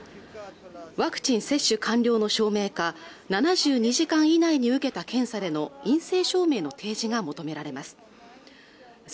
ワクチン接種完了の証明か７２時間以内に受けた検査での陰性証明の提示が求められます